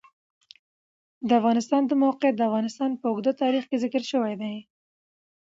د افغانستان د موقعیت د افغانستان په اوږده تاریخ کې ذکر شوی دی.